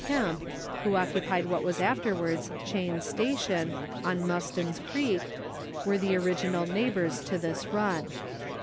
Kemp, who occupied what was afterwards Cheyne's Station, on Muston's Creek, were the original neighbours to this run.